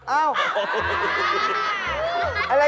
อ้าวอ้าวอ้าว